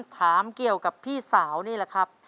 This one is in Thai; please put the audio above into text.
ถามเกี่ยวกับพี่สาวนี่แหละครับ